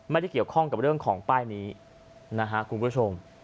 ไม่ได้เกี่ยวข้องกับเรื่องของป้ายนี้นะฮะคุณผู้ชม